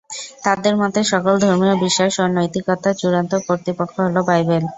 তাঁদের মতে সকল ধর্মীয় বিশ্বাস ও নৈতিকতার চূড়ান্ত কর্তৃপক্ষ হল বাইবেল।